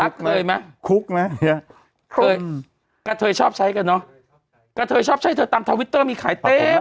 คุกนะเฮียกะเถยชอบใช้กันเนาะกะเถยชอบใช้เถยตามทวิตเตอร์มีขายเต้ม